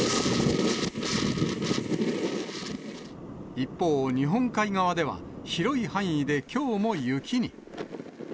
一方、日本海側では広い範囲できょうも雪に。